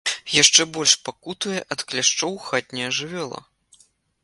Яшчэ больш пакутуе ад кляшчоў хатняя жывёла.